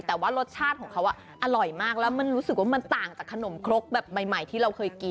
แต่ว่ารสชาติของเขาอร่อยมากแล้วมันรู้สึกว่ามันต่างจากขนมครกแบบใหม่ที่เราเคยกิน